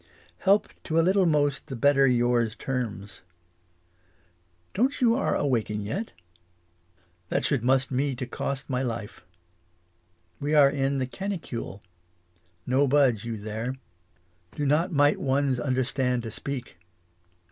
Help to a little most the better yours terms. English as she is spoke. 2i Dont you are awaken yet ? That should must me to cost my life. We are in the canicule. No budge you there. Do not might one's understand to speak.